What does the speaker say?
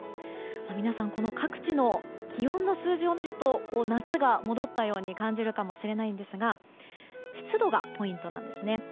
皆さん、この各地の気温の数字を見ると夏が戻ったように感じるかもしれませんが湿度がポイントなんですね。